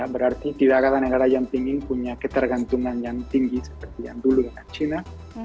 berarti tidak ada negara yang tinggi punya ketergantungan yang tinggi seperti yang dulu dengan china